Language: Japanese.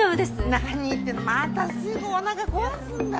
何言ってんのまたすぐおなか壊すんだから。